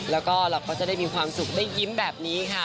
แล้วก็เราก็จะได้มีความสุขได้ยิ้มแบบนี้ค่ะ